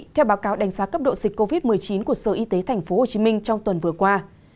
theo báo cáo đánh giá cấp độ dịch covid một mươi chín của sở y tế tp hcm trong tuần vừa qua